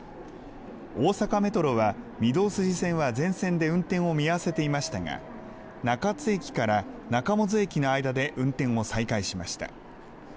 大阪メトロは、御堂筋線は全線で運転を見合わせていましたが、中津駅から中百舌鳥駅の間で運転を再開しました。